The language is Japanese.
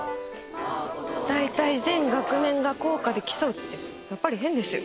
大体全学年が校歌で競うってやっぱり変ですよ。